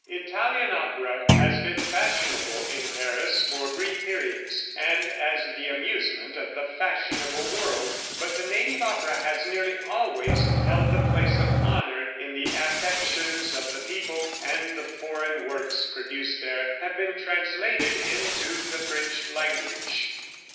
Italian opera has been fashionable in Paris for brief periods, and as the amusement of the fashionable world, but the native opera has nearly always held the place of honor in the affections of the people, and the foreign works produced there have been translated into the French language.